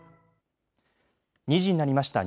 ２時になりました。